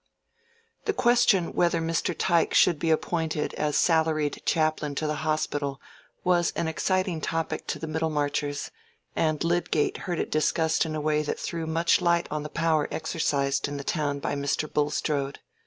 The question whether Mr. Tyke should be appointed as salaried chaplain to the hospital was an exciting topic to the Middlemarchers; and Lydgate heard it discussed in a way that threw much light on the power exercised in the town by Mr. Bulstrode.